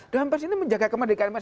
dewan pres ini menjaga kemerdekaan